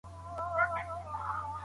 نېک کارونه نه هېریږي.